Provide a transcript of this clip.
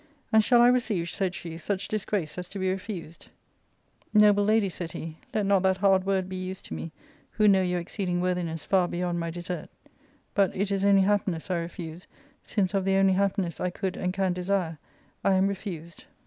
" And shall I re ceive," said she, " such disgrace as to be refused ?" Noble i 44 ARCADIA.—Book I, lady," said he, " let not that hard word be used to me who know your exceeding worthiness far beyond my desert ; but it is only happiness I refuse, since of the only happiness I could fOnd can desire I am refused."